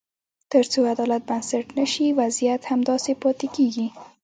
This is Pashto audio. تر څو عدالت بنسټ نه شي، وضعیت همداسې پاتې کېږي.